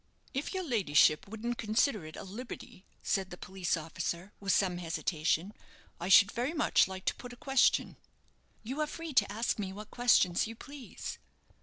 "If your ladyship wouldn't consider it a liberty," said the police officer, with some hesitation, "I should very much like to put a question." "You are free to ask me what questions you please."